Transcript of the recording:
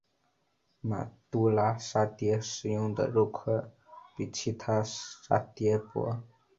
马都拉沙嗲使用的肉块比其他沙嗲薄。